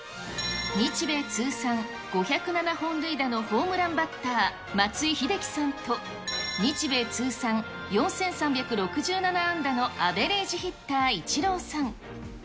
日米通算５０７本塁打のホームランバッター、松井秀喜さんと日米通算４３６７安打のアベレージヒッター、イチローさん。